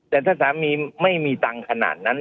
แต่ถ้าสามีไม่มีตังค์ขนาดนั้น